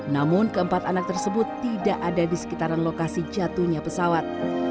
namun keempat anak tersebut tidak ada di sekitaran lokasi jatuhnya pesawat